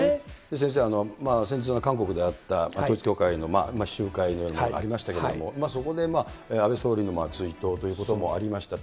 先生、先日、韓国であった、統一教会の集会のようなものがありましたけれども、そこで安倍総理の追悼ということもありました。